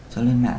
cháu lên mạng